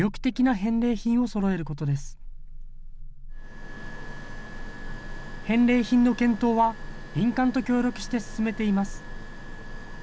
返礼品の検討は民間と協力して進めています。